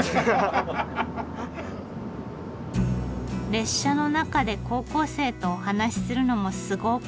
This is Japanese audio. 列車の中で高校生とお話しするのもすごく久しぶり。